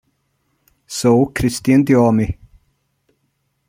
So Christian Dior me.